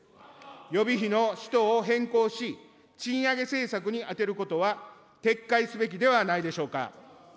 予備費の使途を変更し、賃上げ政策に充てることは撤回すべきではないでしょうか。